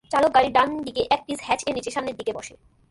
চালক গাড়ির ডান দিকে এক-পিস হ্যাচ-এর নিচে সামনের দিকে বসে।